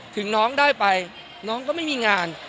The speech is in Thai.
ถึงน้องได้ไปน้องก็ไม่มีงาน